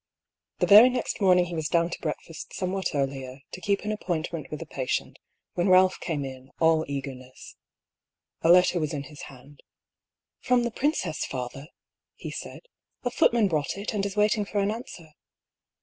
The very next morning he was down to breakfast somewhat earlier, to keep an appointment with a patient, when Ralph came in, all eagerness. A letter was in his hand. " From the princess, father," he said. " A footman brought it, and is waiting for an answer."